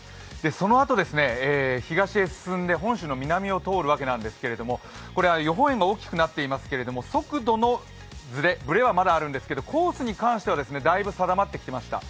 そのあと東へ進んで本州の南を通るわけですけれども予報円が大きくなっていますけれども速度のズレはあるんですけどコースに関してはだいぶ定まってきました。